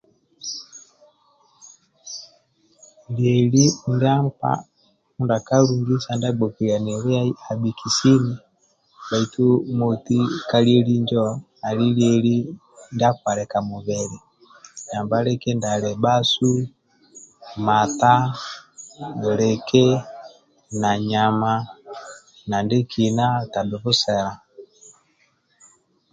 Lieli ndia nkpa mindia akalungisia ndia agbokiliani liai abhiki sini bhaitu moti ka lieli injo ali lieli ndia akialika mubili kindia alio bhasu mata liki na nyama na ndiekina tabhi busela.